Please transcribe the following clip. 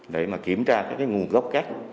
để kiểm tra các nguồn gốc cát